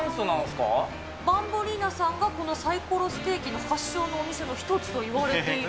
バンボリーナさんが、このサイコロステーキの発祥のお店の一つといわれている。